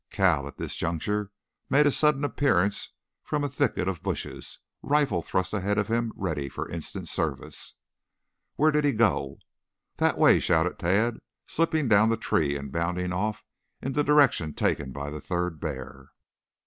Cale, at this juncture, made a sudden appearance from a thicket of bushes, rifle thrust ahead of him ready for instant service. "Where did he go?" "That way," shouted Tad, slipping down the tree and bounding off in the direction taken by the third bear.